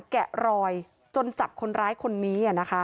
แกะรอยจนจับคนร้ายคนนี้